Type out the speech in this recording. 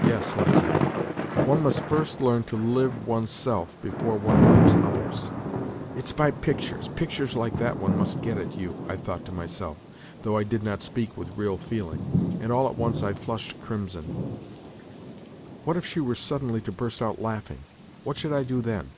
Yes, Liza, one must first learn to live oneself before one blames others !"" It's by pictures, pictures like that one must get at you," I thought to myself, though I did speak with real feeling, and all at once I flushed crimson. "What if she were suddenly to burst out laughing, what should I do then